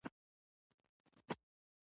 ځینې خلک دوه پښیزه حیوانات دي